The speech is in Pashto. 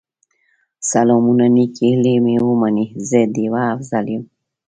سلامونه نیکې هیلې مې ومنئ، زه ډيوه افضل یم